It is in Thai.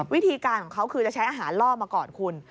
วิธีการของเขาคือจะใช้อาหารล่อมาก่อนคุณ